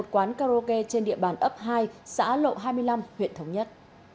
quán karaoke trên địa bàn ấp hai xã lộ hai mươi năm huyện thống nhất